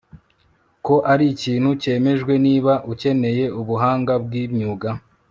ko arikintu cyemejwe Niba ukeneye ubuhanga bwimyuga